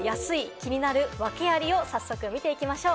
気になる訳アリ、早速見ていきましょう。